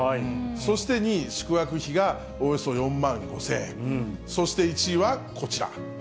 そして２位、宿泊費がおよそ４万５０００円、そして１位はこちら。